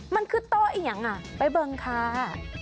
มันคือโต๊ะอิหยังไปเผินค้า